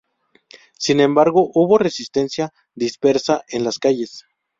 Sin embargo, hubo resistencia dispersa en las calles.